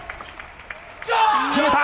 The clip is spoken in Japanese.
決めた！